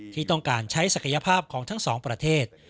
ที่ต้องการใช้ศักยภาพของทั้งสองประเทศ